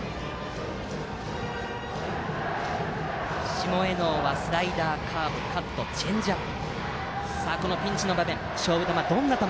下醉尾はスライダー、カーブカット、チェンジアップ。